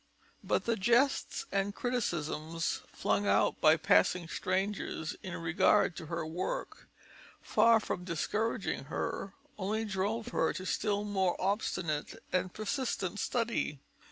But the jests and criticisms flung out by passing strangers in regard to her work, far from discouraging her, only drove her to still more obstinate and persistent study.